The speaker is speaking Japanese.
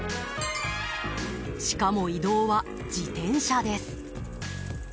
しかも移動は自転車です。